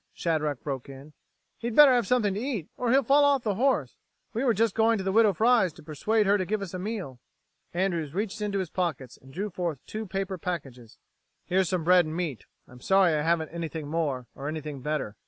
Shadrack broke in, "he'd better have something to eat, or he'll fall off the horse. We were just going to the Widow Fry's to persuade her to give us a meal." Andrews reached into his pockets, and drew forth two paper packages. "Here's some bread and meat. I'm sorry I haven't anything more, or anything better.